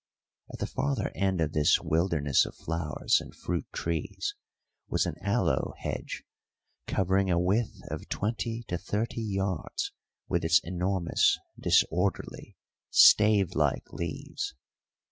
At the farther end of this wilderness of flowers and fruit trees was an aloe hedge, covering a width of twenty to thirty yards with its enormous, disorderly, stave like leaves.